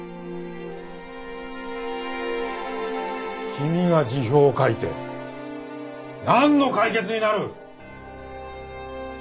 君が辞表を書いてなんの解決になる？